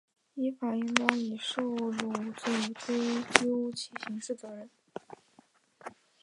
依法应当以受贿罪追究其刑事责任